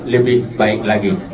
lebih baik lagi